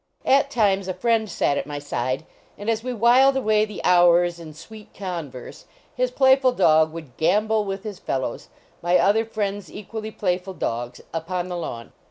At tinu s a fnYnd >at at nix side, and as we whilcd away the hours in 239 HOUSEHOLD PETS sweet converse his playful dog would gam bol with his fellows my other friends equally playful dogs upon the lawn.